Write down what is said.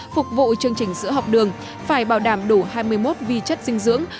phục vụ chương trình sữa học đường phải bảo đảm đủ hai mươi một vi chất dinh dưỡng